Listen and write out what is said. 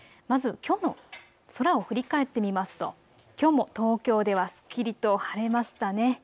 まず、きょうの空を振り返ってみますと、きょうも東京ではすっきりと晴れましたね。